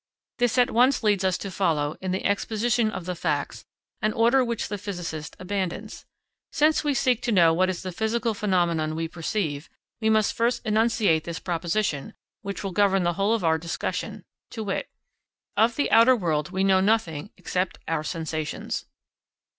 This at once leads us to follow, in the exposition of the facts, an order which the physicist abandons. Since we seek to know what is the physical phenomenon we perceive, we must first enunciate this proposition, which will govern the whole of our discussion: to wit _Of the outer world we know nothing except our sensations.